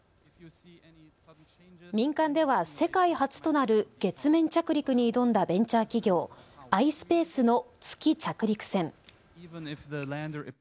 民間では世界初となる月面着陸に挑んだベンチャー企業、ｉｓｐａｃｅの月着陸船。